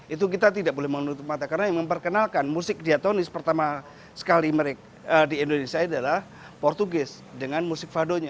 itu kita tidak boleh menutup mata karena yang memperkenalkan musik diatonis pertama sekali di indonesia adalah portugis dengan musik fadonya